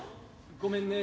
ごめんね。